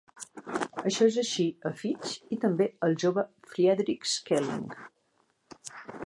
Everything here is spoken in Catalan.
Això és així a Fichte i també al jove Friedrich Schelling.